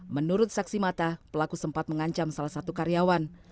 menurut saksi mata pelaku sempat mengancam salah satu karyawan